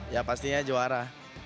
ya pastinya juara